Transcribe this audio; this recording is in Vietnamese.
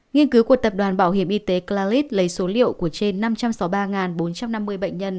nghiên cứu của tập đoàn bảo hiểm y tế claut lấy số liệu của trên năm trăm sáu mươi ba bốn trăm năm mươi bệnh nhân